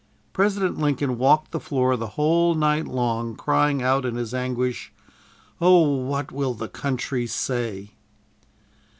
President Lincoln walked the floor the whole night long, crying out in his anguish, "O what will the country say!"